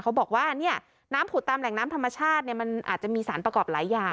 เขาบอกว่าเนี่ยน้ำผุดตามแหล่งน้ำธรรมชาติเนี่ยมันอาจจะมีสารประกอบหลายอย่าง